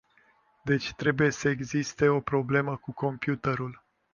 Deci trebuie să existe o problemă cu computerul.